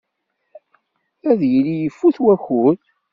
Ad yili ifut wakud.